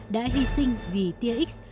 đã hy sinh vì tx